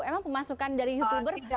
emang pemasukan dari youtuber